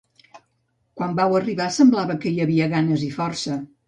Quan vau arribar, semblava que hi havia ganes i força.